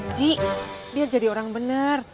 dik biar jadi orang bener